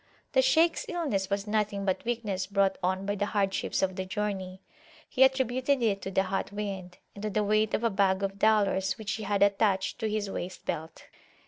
The Shaykhs illness was nothing but weakness brought on by the hardships of the journey: he attributed it to the hot wind, and to the weight of a bag of dollars which he had attached to his waist belt.